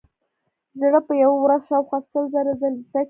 زړه په یوه ورځ شاوخوا سل زره ځلې ټکي.